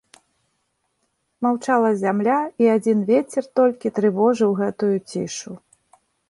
Маўчала зямля, і адзін вецер толькі трывожыў гэту цішу.